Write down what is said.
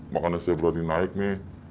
makanya saya berani naik nih